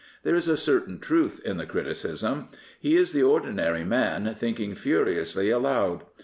There is a certain truth in the criticism. He is the ordinary man thinking furiously aloud.